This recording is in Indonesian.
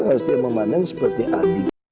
harus dia memandang seperti adiknya